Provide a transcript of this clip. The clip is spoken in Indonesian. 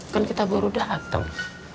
kan kita baru datang